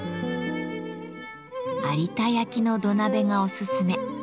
有田焼の土鍋がおすすめ。